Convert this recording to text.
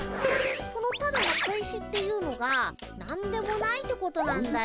そのただの小石っていうのが何でもないってことなんだよ。